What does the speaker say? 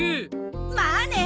まあね。